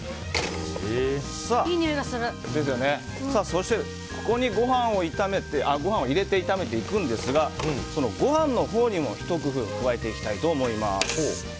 そして、ここにご飯を入れて炒めていくんですがそのご飯のほうにもひと工夫加えていきたいと思います。